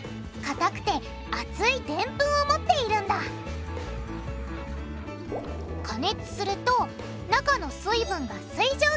かたくて厚いデンプンを持っているんだ加熱すると中の水分が水蒸気に変わる。